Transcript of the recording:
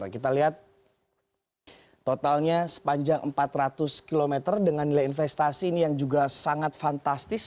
kita lihat totalnya sepanjang empat ratus km dengan nilai investasi ini yang juga sangat fantastis